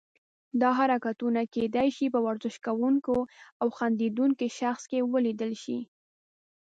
دا حرکتونه کیدای شي په ورزش کوونکي او خندیدونکي شخص کې ولیدل شي.